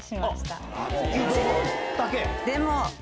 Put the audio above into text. でも。